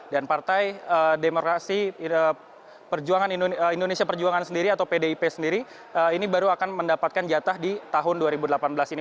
dan partai demokrasi indonesia perjuangan sendiri atau pdip sendiri ini baru akan mendapatkan jatah di tahun dua ribu delapan belas ini